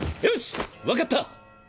よし分かった！